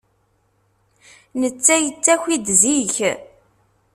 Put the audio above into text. Netta yettaki-d zik.